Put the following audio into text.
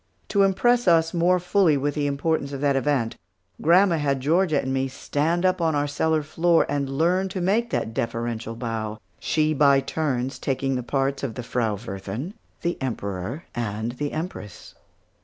To impress us more fully with the importance of that event, grandma had Georgia and me stand up on our cellar floor and learn to make that deferential bow, she by turns, taking the parts of the Frau Wirthin, the Emperor, and the Empress.